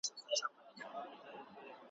ځاي پر ځای مړ سو سفر یې نیمه خوا سو `